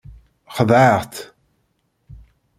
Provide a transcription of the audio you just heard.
Xedɛeɣ-tt.